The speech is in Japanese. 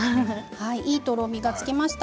いいとろみがつきました。